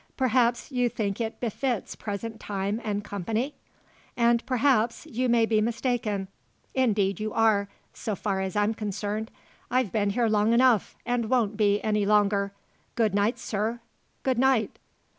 Perhaps, you think it befits present time and company? And, perhaps, you may be mistaken. Indeed you are, so far as I'm concerned. I've been here long enough, and won't be any longer. Good night, sir! Good night!"